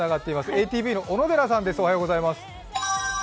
ＡＴＶの小野寺さんです。